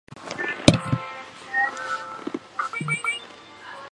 此作亦有使用双关语。